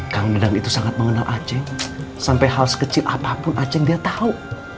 kang dadang itu sangat mengenal aceh sampai hal sekecil apapun aceh dia tau